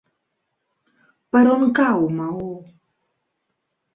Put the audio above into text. Per on cau Maó?